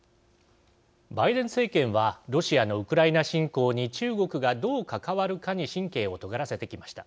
バイデン政権はロシアのウクライナ侵攻に中国がどう関わるかに神経をとがらせてきました。